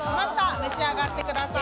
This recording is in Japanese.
召し上がってください。